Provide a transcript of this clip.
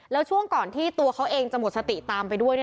แล้วช่วงก่อนที่ตัวเขาเองจะหมดสติตามไปด้วย